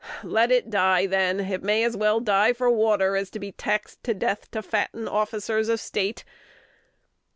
"Let it die, then: it may as well die for water as to be taxed to death to fatten officers of State."